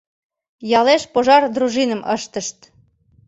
Ялеш пожар дружиным ыштышт.